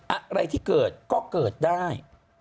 อะไรที่เกิดก็เกิดได้